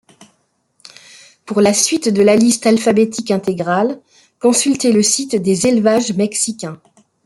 Pour la suite de la liste alphabétique intégrale, consulter le site des élevages mexicains.